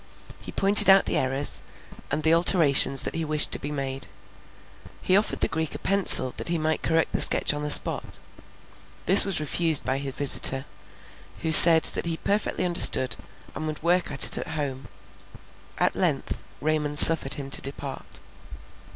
He pointed out the errors, and the alterations that he wished to be made; he offered the Greek a pencil that he might correct the sketch on the spot; this was refused by his visitor, who said that he perfectly understood, and would work at it at home. At length Raymond suffered him to depart.